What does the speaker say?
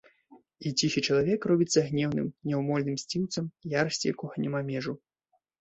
І ціхі чалавек робіцца гнеўным, няўмольным мсціўцам, ярасці якога няма межаў.